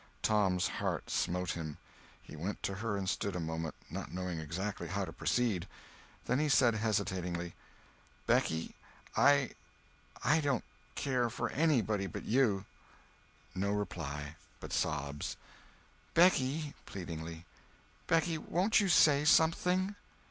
Tom's heart smote him. He went to her and stood a moment, not knowing exactly how to proceed. Then he said hesitatingly: "Becky, I—I don't care for anybody but you." No reply—but sobs. "Becky"—pleadingly. "Becky, won't you say something?"